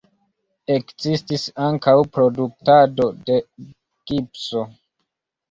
Ekzistis ankaŭ produktado de gipso.